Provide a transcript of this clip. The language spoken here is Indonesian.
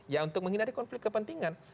ya untuk menghindari konflik kepentingan